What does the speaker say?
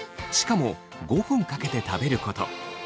しかも５分かけて食べること。